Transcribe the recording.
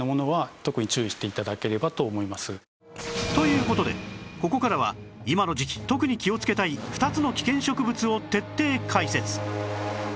という事でここからは今の時期特に気をつけたい２つの危険植物を徹底解説